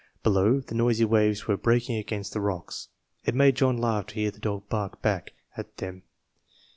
Below, the noisy waves were breaking against the rocks. It made John laugh to hear the dog bark back at them.